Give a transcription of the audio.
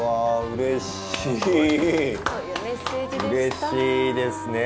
うれしいですね。